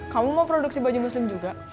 kamu mau produksi baju muslim juga